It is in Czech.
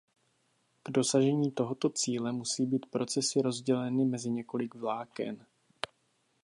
K dosažení tohoto cíle musí být procesy rozděleny mezi několik vláken.